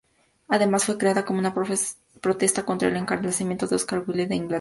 Además fue creada como una protesta contra el encarcelamiento de Oscar Wilde en Inglaterra.